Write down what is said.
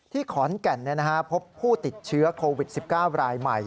ขอนแก่นพบผู้ติดเชื้อโควิด๑๙รายใหม่